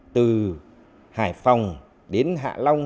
từ hải phòng đến hạ long